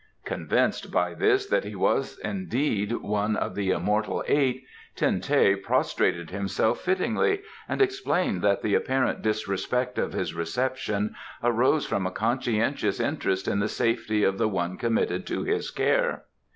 Convinced by this that he was indeed one of the Immortal Eight, Ten teh prostrated himself fittingly, and explained that the apparent disrespect of his reception arose from a conscientious interest in the safety of the one committed to his care.